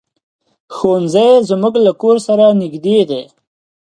ښوونځی زمونږ له کور سره نږدې دی.